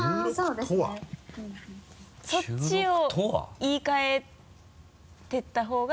そっちを言い換えてった方が。